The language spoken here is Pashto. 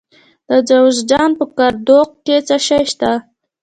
د جوزجان په جرقدوق کې څه شی شته؟